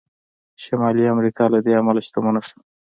شمالي امریکا له دې امله شتمنه شوه.